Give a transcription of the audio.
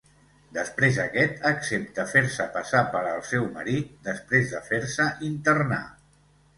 Després, aquest accepta fer-se passar per al seu marit, després de fer-se internar.